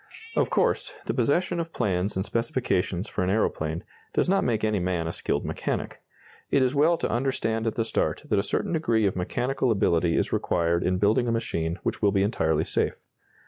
Of course, the possession of plans and specifications for an aeroplane does not make any man a skilled mechanic. It is well to understand at the start that a certain degree of mechanical ability is required in building a machine which will be entirely safe.